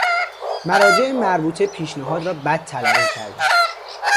مراجع مربوطه پیشنهاد را بد تلقی کردند.